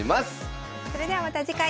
それではまた次回。